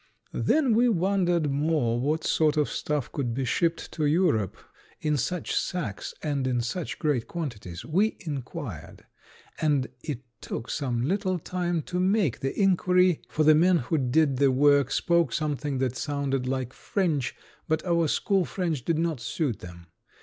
Then we wondered more what sort of stuff could be shipped to Europe in such sacks and in such great quantities. We inquired; and it took some little time to make the inquiry, for the men who did the work spoke something that sounded like French, but our school French did not suit them.